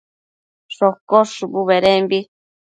shocosh shubu bedembi